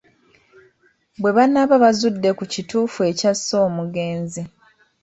Bwe banaaba bazudde ku kituufu ekyasse omugenzi.